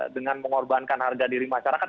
dengan mengorbankan harga diri masyarakat